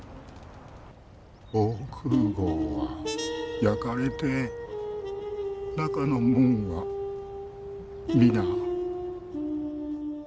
防空壕は焼かれて中の者は皆。